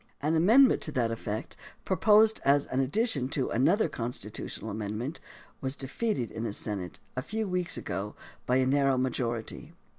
An amendment to that effect, proposed as an addition to another constitutional amendment, was defeated in the Senate a few weeks ago by a narrow majority.